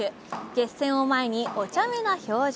決戦を前におちゃめな表情。